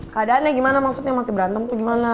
keadaannya gimana maksudnya masih berantem tuh gimana